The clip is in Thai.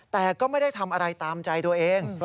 แต่ก็ไม่ได้ทำอะไรตามใจตัวเอง